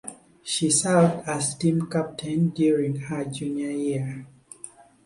She served as team captain during her junior year.